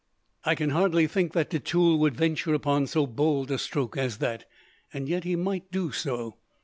"I can hardly think that de Tulle would venture upon so bold a stroke as that, and yet he might do so.